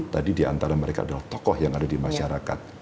tadi di antara mereka ada tokoh yang ada di masyarakat